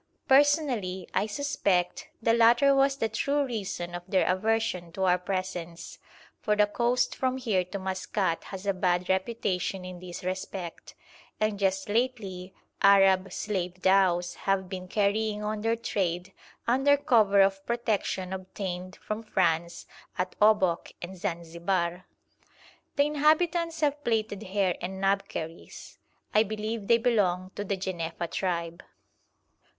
Personally, I suspect the latter was the true reason of their aversion to our presence, for the coast from here to Maskat has a bad reputation in this respect, and just lately Arab slave dhows have been carrying on their trade under cover of protection obtained from France at Obok and Zanzibar. The inhabitants have plaited hair and knobkerries. I believe they belong to the Jenefa tribe.